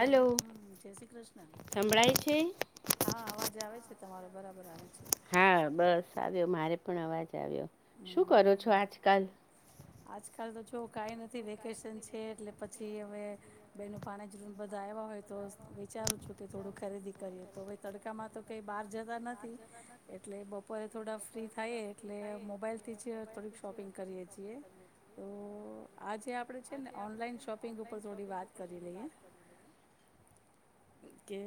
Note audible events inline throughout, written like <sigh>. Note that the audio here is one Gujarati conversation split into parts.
હલો. સંભળાય છે? હા. અવાજ આવે છે તમારો, બરાબર આવે છે. હા બસ આવ્યો, મારે પણ અવાજ આવ્યો. શું કરો છો આજકાલ? આજકાલ તો જો કાંઈ નથી વેકેશન છે એટલે પછી હવે બેનું પાણી જ બધા આવ્યા હોય તો વિચારું છું કે થોડું ખરીદી કરીએ તો તડકામાં તો કંઈ બહાર જતા નથી. એટલે બપોરે થોડા ફ્રી થાય એટલે મોબાઈલ થી જ થોડીક શોપિંગ કરીએ. જીએ. તો. આજે આપ. આજે આપડણે છે ને ઓનલાઈન શોપિંગ ઉપર થોડી વાત કરી લેવીએ. કે.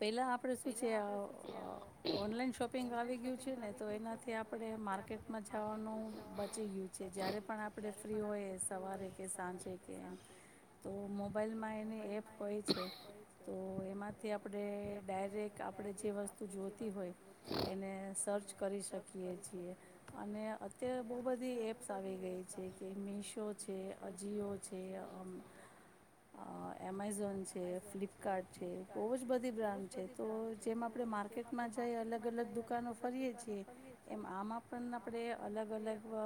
પહેલા આપણે શું છે અ ઓનલાઈન શોપિંગ આવી ગયું છે ને તો એનાથી આપ આપણે માર્કેટમાં જવાનું બચી ગયું છે જ્યારે પણ આપણે ફ્રી હોઈ સવારે કે સાંજે કે એમ તો મોબાઈલમાં એની એપ હોય છે તો એમાં તે આપણે ડાયરેક આપણે જે વસ્તુ જોતી હોય એને સર્ચ કરી શકીએ છીએ. અને અત્યારે બહુ બધી એપ્સ આવી ગઈ છે કે મીશો છે અજિયો છે આમ અ એમેઝોન છે ફ્લિપકાર્ટ છે બહુ જ બધી બ્રાન્ડ છે તો જેમ આપણે માર્કેટમાં જઈ અલગ અલગ દુકાનો ફરીએ છીએ. એમ આમાં પણ આપણે અલગ અલગ અ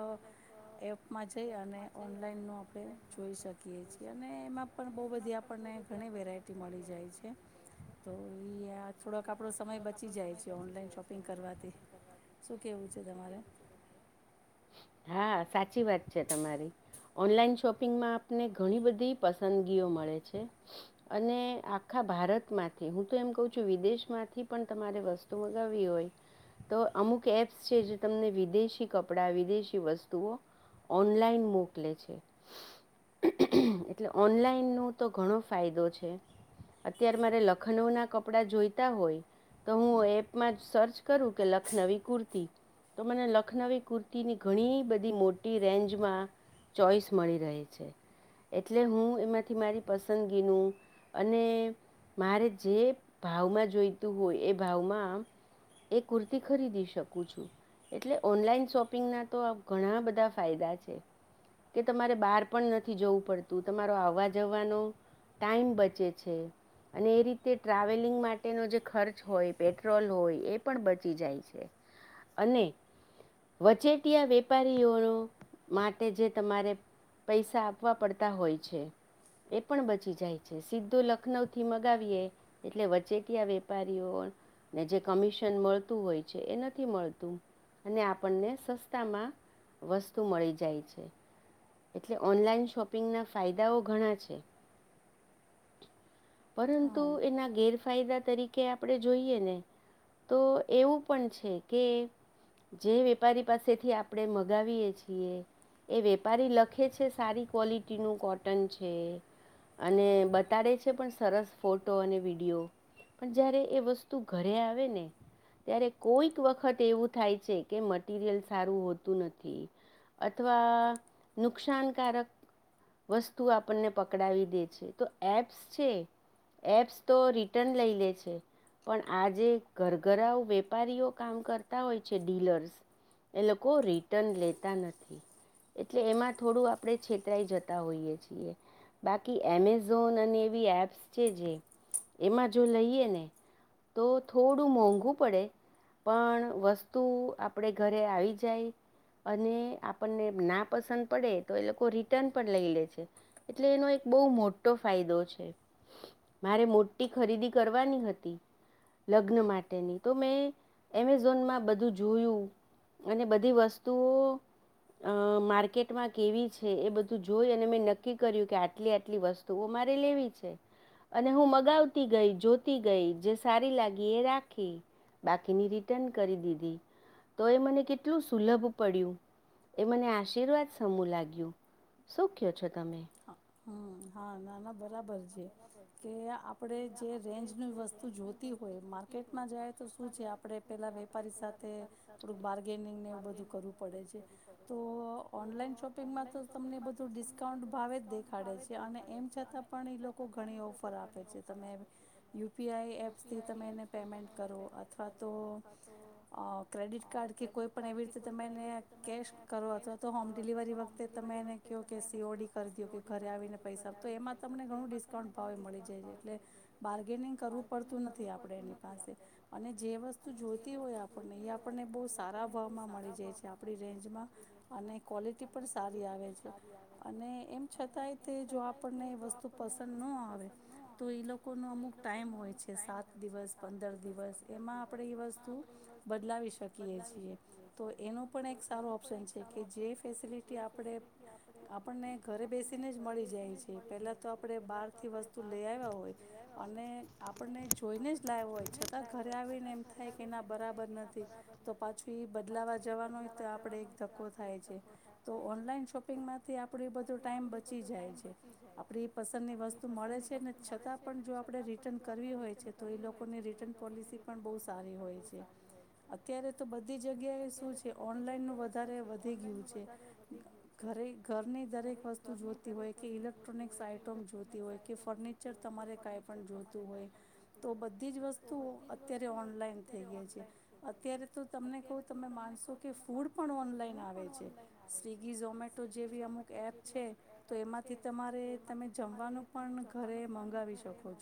એપમાં જઈ અને ઓનલાઈન નુ આપે જોઈ શકીએ છીએ અને એમાં પણ બહુ બધી આપણને ઘણી વેરાયટી મળી જાય છે તો એ યાર. થોડોક આપણો સમય બચી જાય છે ઓનલાઈન શોપિંગ કરવાથી શું કેહેવું છે તમારે <inaudible> હા સાચી વાત છે તમારી. ઓનલાઈન શોપિંગમાં આપણને ઘણી બધી પસંદગીઓ મળે છે. અને આખા ભારતમાંથી હું. તો એમ કહું છું વિદેશ માંથી પણ તમારે વસ્તુ મગાવવી હોય. તો અમુક એપ્સ છે જે તમને વિદેશી કપડા વિદેશી વસ્તુઓ ઓનલાઈન મોકલે છે. એટલે ઓનલાઈનો તો ઘણો ફાયદો છે. અત્યારે મારે લખનઉ ના. કપડા જોઈતા હોય તો હું એપમાં સર્ચ કરું કે લખનવી કુર્તી તો મને લખનવી કુર્તીની ઘણી બધી મોટી રેન્જમાં ચોઈસ મળી રહી છે. એટલે હું એમાંથી મારી પસંદગીનું અને મારે જે. ભાવમાં જોઈતું હોય એ ભાવમાં એ કુર્તી ખરીદી શકું છું. એટલે ઓનલાઈન શોપિંગના તો ઘણા બધા ફાયદા છે. કે તમારે બહાર પણ નથી જવું પડતું તમારો આવવા જવાનો ટાઈમ બચે છે અને એ રીતે. ટ્રાવેલિંગ માટેનો જે ખર્ચ હોય પેટ્રોલ હોય એ પણ બચી જાય છે. અને. વચેટીયા વેપારીઓ માટે જે તમારે પૈસા આપવા પડતા હોય છે. એ પણ બચી જાય છે સીધું લખનઉ થી મગાવીએ. એટલે વચેટિયા વેપારીઓ ને જે કમિશન મળતું હોય છે એ નથી મળતું. અને આપણને સસ્તામાં વસ્તુ મળી જાય છે. એટલે ઓનલાઈન શોપિંગના ફાયદાઓ ઘણા છે. પરંતુ એના ગેરફાયદા તરીકે આપણે જોઈએ ને તો એવું પણ છે કે જે વેપારી પાસેથી આપણે મગાવીએ છીએ. એ વેપારી લખે છે સારી ક્વોલિટીનું કોટન છે. અને બતાડે છે પણ સરસ ફોટો અને વિડીયો. પણ જયારે એ વસ્તુ ઘરે આવે ને. ત્યારે કોઈક વખત એવું થાય છે કે મટીરિયલ સારું હોતું નથી. અથવા, નુકસાનકારક વસ્તુ આપણને પકડાવી દે છે તો એપ્સ છે, એપ્સ તો રિટર્ન લઈ લે છે. પણ આજે ઘરઘરાવ વેપારીઓ કામ કરતા હોય છે ડીલર્સ. એ લોકો રિટર્ન લેતા નથી. એટલે એમાં થોડું આપણે છેતરાઈ જતા હોઈએ છીએ. બાકી એમેઝોન અને એવી એપ્સ છે જે. એમાં જો લઈએ ને, તો થોડું મોંઘું પડે. પણ વસ્તુ આપડે ઘરે આવી જાય. અને આપણને ના પસંદ પડે તો એ લોકો રિટર્ન પણ લઈ લે છે. એટલે એનો એક બહુ મોટો ફાયદો છે. મારે મોટી ખરીદી કરવાની હતી. લગ્ન માટેની તો મેં, એમેઝોનમાં બધું જોયું. અને બધી વસ્તુઓ અ માર્કેટમાં કેવી છે એ બધું જોઈ અને મેં નક્કી કર્યું કે આટલી આટલી વસ્તુ તોઓ મારે લેવી છે. અને હું મગાવતી ગઈ જોતી ગઈ જે સારી લાગી એ રાખી. બાકીની રિટર્ન કરી દીધી, તો એ મને કેટલું સુલભ પડ્યું. એ મને આશીર્વાદ સમૂહ લાગ્યું, શું કયો છો તમે. હા હમ હા નાના બરાબર છે, કે આપણે જે રેન્જની વસ્તુ જોતી હોય માર્કેટમાં જાય તો શું છે આપણે પેલા વેપારી સાથે. થોડુંક બાર્ગેનિંગને એવું બધું કરવું પડે છે, તો ઓનલાઈન શોપિંગમાં તો તમને બધું ડિસ્કાઉન્ટ ભાવે જ દેખાડે છે અને એમ છતાં પણ લોકો ઘણી ઓફર આપે છે તમે યુપીઆઈ એપ્સથી તમે એને પેમેન્ટ કરો અથવા તો. ક્રેડિટ કાર્ડ કે કોઈ પણણ એવી રીતે તમે એને કૅશ કરો અથવા તો હોમ ડિલિવરી વખતે તમે એને ક કે સિ ઓડી કર દ ઘરે આવીને પૈસા તો એમાં તમને ઘણું ડિસ્કાઉન્ટ ભાવે મળી જાય છે એટલે. બગેનંગ કરવું પડતું નથી આપણે એની પાસે, અને જે વસ્તુ જોતી હોય આપણને આપણને બહુ સારા ભાવમાં મળી જાય છે આપણી રેન્જમાં, અને ક્વોલિટી પણ સારી આવે છે. અને એમ છતાંય તે જો આપણને વસ્તુ પસંદ ન આવે, તો એ લોકો કોનો અમુક ટાઈમ હોય છે સાત દિવસ પંદર દિવસ એમાં આપણે એ વસ્તુ. બદલાવી શકીએ છીએ, તો એનો પણ એક સારો ઓપ્શન છે કે જે ફેસિલિટી આપણે આપણને ઘરે બેસીને જ મળી જાય છે પેલા તો આપડે બહાર થી વસ્તુ લઈ આવ્યા હોય. હો <inaudible> અને આપણને જોઈને જ લાવ હોય છતાં ઘરે આવીને એમ થાય કે એના બરાબર નથી. તો પાછી બદલાવા જવાનોય તો આપડે એક ધક્કો થાય છે. તો ઓનલાઈન શોપિંગ માંથી આપણે ટાઈમ બચી જાય છે, આપણી એ પસંદની વસ્તુ મળે છે ને છતાં પણ જો આપણે રિટર્ન કરવી હોય છે તો એ લોકોની રિટર્ન પોલિસી પણ બહુ સારી હોય છે. અત્યારે તો બધી જગ્યાએ શું છે ઓનલાઈનનું વધારે વધી ગયું છે. ઘરે ઘરની દરેક વસ્તુ જોતી હોય કે ઇલેક્ટ્રોનિક્સ આઈટમ જોતી હોય કે ફર્નિચર અરે કઈ પણ જોતું હોય, તો બધી જ વસ્તુઓ અત્યારે ઓનલાઈન થઈ ગયા છે. અત્યારે તો તમને કહું તમે માનશો કે ફૂડ પણ ઓનલાઈન આવે છે. સ્વિગી ઝોમેટો જેવી અમુક એપ છે તો એમાંથી તમારે તમે જમવાનું પણ ઘરે મંગાવી શકો છો.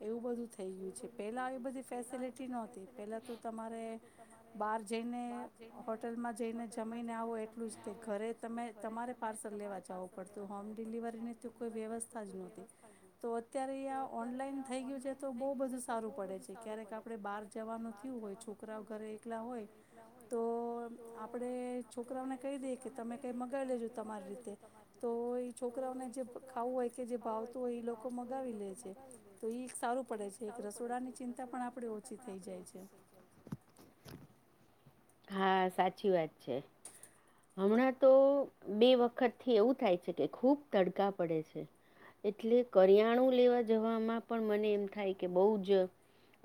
એવું બધું થઈ ગયું છે પહેલાં એ બધી ફેસિલિટી નહોતી પહેલાં તો તમારે બહાર જઈને હોટલમાં જઈને જમીને આવો એટલું જ તે ઘરે તમે તમારે પાર્સલ લેવા જવું પડતું હોમ ડિલિવરીની તો કોઈ વ્યવસ્થા જ નહોતી તો અત્યારે આ ઓનલાઈન થઈ ગયું છે તો બહુ બધું સારું પડે છે ક્યારેક આપડે બહાર જવાનું થયું હોય છો કરાઓ ઘરે એકલા હોય તો આપડે છોકરાઓને કહી દઈએ કે તમે કઈ મગાવી લેજો તમારી રીતે તો એ છોકરાઓને જે ખાવું હોય કે જે ભાવતું હોય એ લોકો મગાવી લે છે છે તો એ એક સારું પડે છે એક રસોડાની ચિંતા પણ આપડી ઓછી થઈ જાય છે <inaudible> હા સાચી વાત છે હમણાં તો બે વખતથી એવું થાય છે કે ખૂબ તડકા પડે છે એટલે કરિયાણું લેવા જવામાં પણ મને એમ થાય કે બઉ જ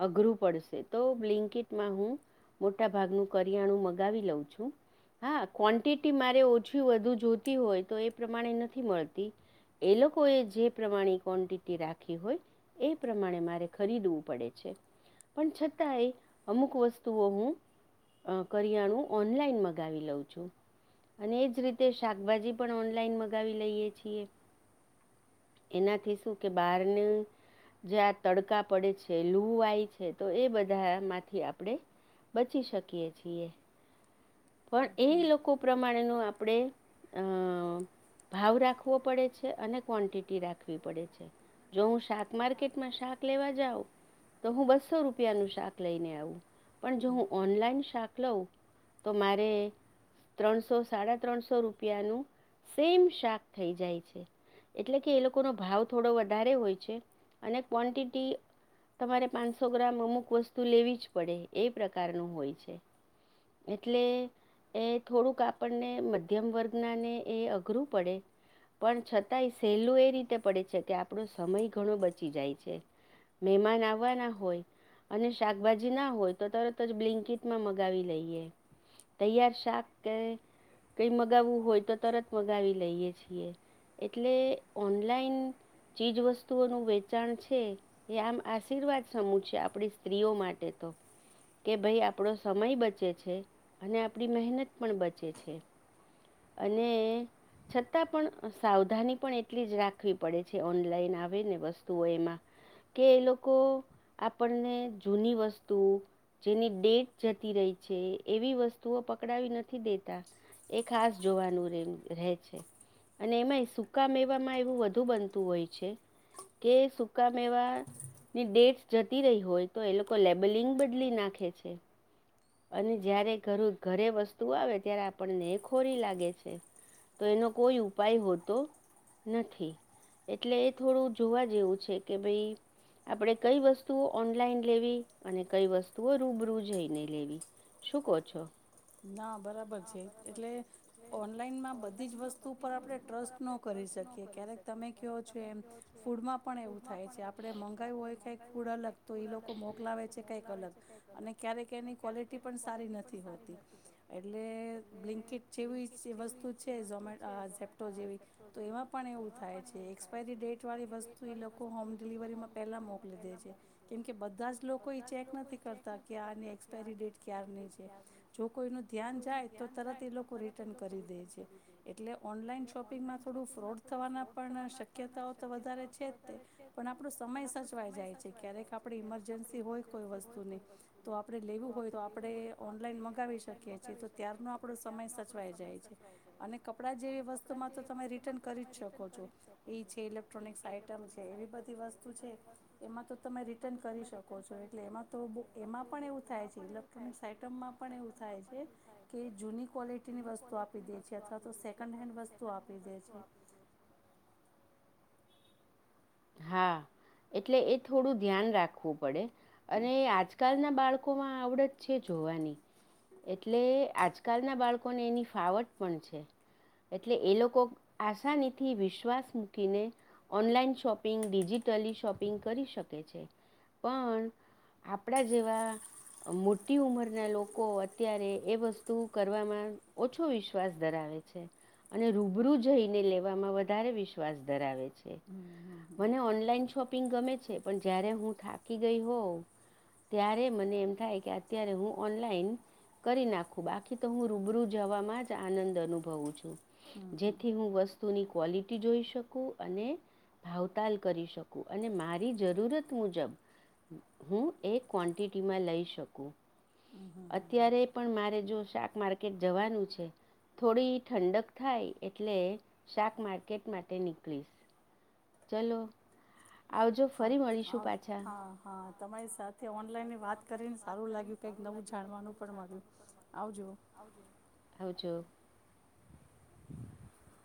અઘરું પડશે તો બલીંકિટમાં હું મોટા ભાગનું કરિયાણું મગાવી લઉં છું હા ક્વન્ટિટી મારે ઓછી વધુ જોતી હોય તો એ પ્રમાણે નથી મળતી એ લોકો એ જે પ્રમાણે ક્વોન્ટિટી રા ખી હોય એ પ્રમાણે મારે ખરીદવું પડે છે પણ છતાંય અમુક વસ્તુઓ હું અ કરિયાણું ઓનલાઈન મગાવી લઉં છું. અને એજ રીતે શાકભાજી પણ ઓનલાઈન મગાવી લઈએ છીએ. એનાથી શું કે બારનું જ્યાં તડકા પડે છે લુહવાય છે તો એ બધા માંથી આપડે બચી શકીએ છીએ. પણ એ લોકો પ્રમાણેનું આપડે અ ભાવ રાખવો પડે છે અને કવન્ટિટી રાખવી પડે છે. જો હું શાક માર્કેટમાં શાક લેવા જાઉં તો હું બસો રૂપિયાનું શાક લઈને આવું પણ જો હું ઓનલાઈન શાક લઉં તો મારે ત્રણસો સાડા ત્રણસો રૂપિયાનું સેમ શાક થઈ જાય છે. એટલે કે એ લોકોનો ભાવ થોડો વધારે હોય છે અને ક્વન્ટિટી તમારે પાંચસો ગ્રામ અમુક વસ્તુ લેવી જ પડે એ પ્રકારનું હોય છે. એટલે એ થોડુંક આપણને મધ્યમ વર્ગનાને એ અઘરું પડે પણ છતાંય સહેલું એ રીતે પડે છે કે આપડો સમય ઘણો બચી જાય છે. મહેમાન આવાના હોય અને શાકભાજી ના હોય તો તરત જ બ્લિન્કટમાં મગાવી લઈએ. તૈયાર શાક કે કઈ મગાવવું હોય તો તરત મગાવી લઈએ છીએ. એટલે ઓનલાઈન ચીજવસ્તુઓનું વેચાણ છે એ આમ આશીર્વાદ સમૂહ છે આપડી સ્ત્રીઓ માટે તો કે ભઈ આપડો સમય બચે છે અને આપડી મહેનત પણ બચે છે અને છતાં પણ સાવધાની પણ એટલી જ રાખવી પડે છે ઓનલાઈન આવે ને વસ્તુઓ એમાં કે એ લોકો આપણને જૂની વસ્તુ જેની ડેટ જતી રહી છે એવી વસ્તુઓ પકડાવી નથી દેતા એ ખાસ જોવાનું રહેે છે. અને એમાં સુકા મેવામાં એવું વધુ બનતું હોય છે. કે સુકા મેવા ની ડેટસ જતી રહી હોય તો એ લોકો લેબલિંગ બદલી નાખે છે. અને જયારે ઘરુ ઘરે વસ્તુ આવે ત્યારે આપણને એ ખોરી લાગે છે તો એનો કોઈ ઉપાય હોતો નથી. એટલે એ થોડું જોવા જેવું છે કે ભઈ આપડે કઈ વસ્તુઓ ઓનલાઈન લેવી અને કઈ વસ્તુઓ રૂબરૂ જઈને લેવી? શું કહો છો? ના બરાબર છે, એટલે ઓનલાઈનમાં બધી જ વસ્તુ પર આપડે ટ્રસ્ટ ન કરી શકીએ ક્યારેક તમે કહો છો એમ, ફૂડમાં પણ એવું થાય છે આપડે મંગાવ્યું હોય કાંઈક ફૂડ અલગ તો એ લોકો મોકલાવે છે કંઈક અલગ અને ક્યારેક એની ક્વૉલિટી પણ સારી નથી હોત ટી એટલે બ્લિંકિટ જેવી વસ્તુ છે, ઝોમેટો ઝેપ્ટો જેવી તો એમાં પણ એવું થાય છે, એક્સપાયરી ડેટ વાળી વસ્તુ એ લોકો હોમ ડિલિવરીમાં પહેલા મોકલી દે છે. કેમ કે બધાજ લોકો એ ચેક નથી કરતા કે આની એક્સપાયરી ડેટ ક્યારની છે. જો કોઈનું ધ્યાન જાય, તો તરત એ લોકો રિટર્ન કરી દે છે, એટલે ઓનલાઈન શોપિંગમાં થોડું ફ્રોડ થવાના પણ શક્યતાઓ તો વધારે છે જ તે, પણ આપણો સમય સચવાઈ જાય છે. ક્યારેક આપડે ઈમરજન્સી હોય કોઈ વસ્તુને તો આપડે લેવું હોય તો આપડે ઓનલાઈન મંગાવી શકીએ છીએ, તો ત્યારનો આપો સમય સચવાય જાય છે અને કપડા જેવી વસ્તુ તું મા તો તમે રિટર્ન કરીજ શકો છો, એ છે ઇલેક્ટ્રોનિક આઈટમ છે, એવી બધી વસ્તુ છે એમાં તો તમે રિટર્ન કરી શકો છો, એટલે એમાં તો બો એમાં પણ એવું થાય છે. ઇલેક્ટ્રોનિક્સ આઈટમમાં પણ એવું એ થાય છે કે જૂની ક્વોલિટીની વસ્તુ આપી દે છે અથવા તો સેકન્ડ હેન્ડ વસ્તુઓ આપી દે છે. <inaudible> હા, એટલે એ થોડું ધ્યાન રાખવું પડે અને આજ આજકાલના બાળકોમાં આવડત છે, જોવાની એટલે આજકાલના બાળકોને એની ફાવટ પણ છે. એટલે એ લોકો આસાનીથી વિશ્વાસ મૂકીને online shopping digitally shopping કરી શકે છે, પણ આપડા જેવા મોટી ઉંમરના લોકો અત્યારે એ વસ્તુ કરવામાં ઓછો વિષ વિશ્વાસ ધરાવે છે, અને રૂબરૂ જઈને લેવામાં વધારે વિશ્વાસ ધરાવે છે. મને ઓનલાઈન શોપિંગ ગમે છે, પણ જયારે હું થાકી ગઈ હોઉવ ત્યારે મને એમ થાય કે અત્યારે હું ઓનલાઈન કરી નાખું, બાકી તો હું રૂબરૂ જવામાં જ આનંદ અનુભવું છું. જેથી હું વસ્તુની ક્વલિટી જોઈ શકું અને ભાવ ભાવતાલ કરી શકું અને મારી જરૂરત મુજબ હું એક ક્વન્ટિટીમાં લઈ શકું. અત્યારે પણ મારે જો શાક માર્કેટ જવાનું છે થોડી ઠંડક થાય એટલે શાક માર્કેટ માટે નીકળીશ. ચલો આવજો ફરી મળીશું પાછા. હા-હા તમારી સાથે ઓનલાઈન વાત કરીને સારું લાગ્યું, કંઈક નવું જાણવાનું પણ મળ્યું, આવજો. આવજો. હ